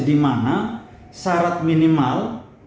di mana syarat minimal